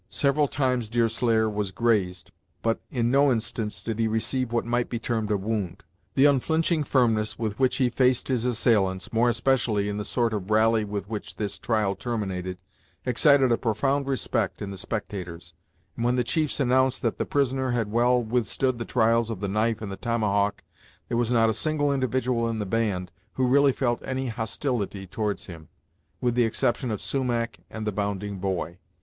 Several times Deerslayer was grazed, but in no instance did he receive what might be termed a wound. The unflinching firmness with which he faced his assailants, more especially in the sort of rally with which this trial terminated, excited a profound respect in the spectators, and when the chiefs announced that the prisoner had well withstood the trials of the knife and the tomahawk, there was not a single individual in the band who really felt any hostility towards him, with the exception of Sumach and the Bounding Boy.